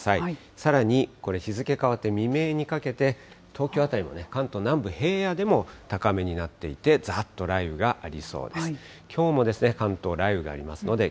さらにこれ、日付変わって未明にかけて、東京辺りもね、関東南部、平野でも高めになっていて、ざっと雷雨がありそうです。